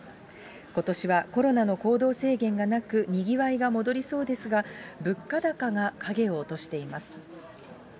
ことしはコロナの行動制限がなく、にぎわいが戻りそうですが、物価高が影を落としています。